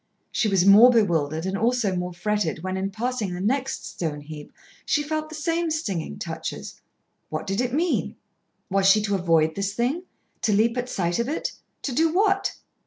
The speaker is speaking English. She was more bewildered and also more fretted when, in passing the next stone heap, she felt the same stinging touches. What did it mean? Was she to avoid this thing, to leap at sight of it, to do what?